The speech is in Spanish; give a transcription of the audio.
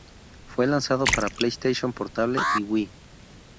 Fue lanzado para PlayStation Portable y Wii.